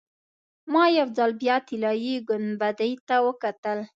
ما یو ځل بیا طلایي ګنبدې ته وکتل.